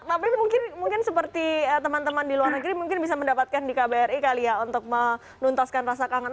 tapi mungkin seperti teman teman di luar negeri mungkin bisa mendapatkan di kbri kali ya untuk menuntaskan rasa kangen